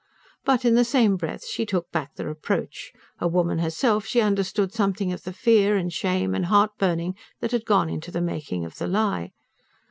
But in the same breath she took back the reproach. A woman herself, she understood something of the fear, and shame, and heartburning that had gone to the making of the lie.